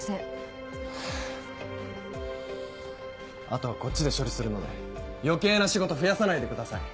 あとはこっちで処理するので余計な仕事増やさないでください。